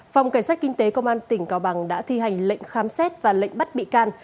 phòng cảnh sát kinh tế công an tỉnh cao bằng đã thi hành lệnh khám xét và lệnh bắt bị can